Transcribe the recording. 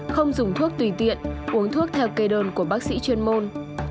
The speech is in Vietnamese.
không dùng thuốc tùy tiện uống thuốc theo kê đơn của bác sĩ chuyên môn